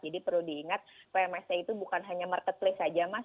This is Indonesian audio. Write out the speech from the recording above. jadi perlu diingat pmse itu bukan hanya marketplace saja mas